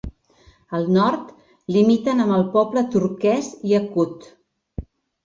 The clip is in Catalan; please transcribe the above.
Al nord limiten amb el poble turquès iacut.